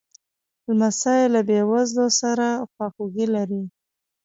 لمسی له بېوزلو سره خواخوږي لري.